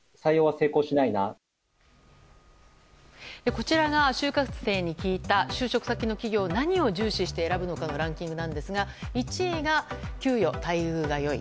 こちらが就活生に聞いた就職先の企業何を重視して選ぶのかのランキングなんですが１位が給与・待遇が良い。